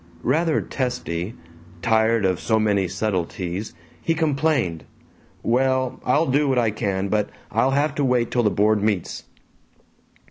Rather testy, tired of so many subtleties, he complained, "Well, I'll do what I can, but I'll have to wait till the board meets."